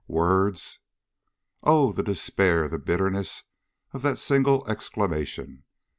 "Words!" Oh, the despair, the bitterness of that single exclamation!